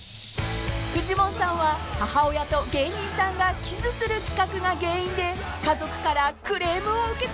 ［フジモンさんは母親と芸人さんがキスする企画が原因で家族からクレームを受けたことがあるそうで］